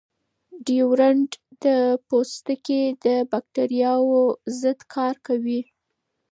ډیوډرنټ د پوستکي د باکتریاوو ضد کار کوي.